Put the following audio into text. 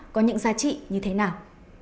có những giá trị như thế nào